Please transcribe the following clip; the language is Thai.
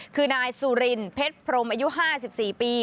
คือนายสุรินเพชรพรมอายุ๕๔ปี